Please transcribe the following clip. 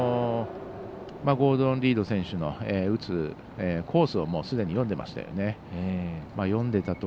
ゴードン・リード選手の打つコースをすでに読んでましたよね。